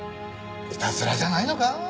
いたずらじゃないのか？